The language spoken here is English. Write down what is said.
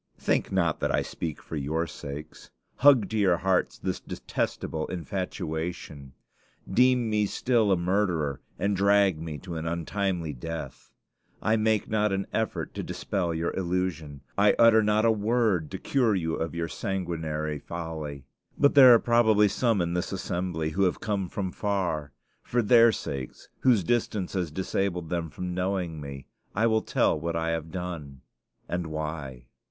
Think not that I speak for your sakes. Hug to your hearts this detestable infatuation. Deem me still a murderer, and drag me to untimely death. I make not an effort to dispel your illusion; I utter not a word to cure you of your sanguinary folly: but there are probably some in this assembly who have come from far; for their sakes, whose distance has disabled them from knowing me, I will tell what I have done, and why.